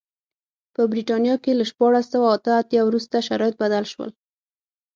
په برېټانیا کې له شپاړس سوه اته اتیا وروسته شرایط بدل شول.